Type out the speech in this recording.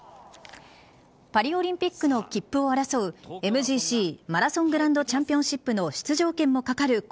パリオリンピックの切符を争うＭＧＣ・マラソングランドチャンピオンシップの出場権もかかる